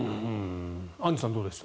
アンジュさんどうでした。